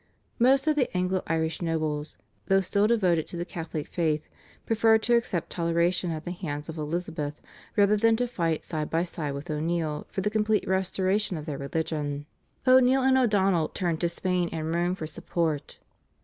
Most of the Anglo Irish nobles, though still devoted to the Catholic faith, preferred to accept toleration at the hands of Elizabeth rather than to fight side by side with O'Neill for the complete restoration of their religion. O'Neill and O'Donnell turned to Spain and Rome for support.